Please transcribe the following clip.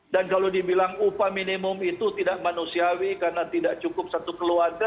dan kalau dibilang upah minimum itu tidak manusiawi karena tidak cukup satu keluarga